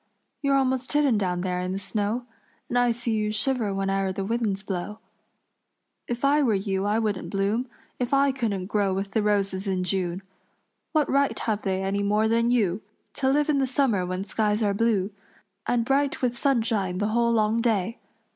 "You're almost hidden down there in the snow, And I see you shiver whene'er the winds blow. If I were you I wouldn't bloom If I couldn't grow with the roses in June. What right have they any more than you, To live in the summer when skies are blue And bright with sunshine the whole long day?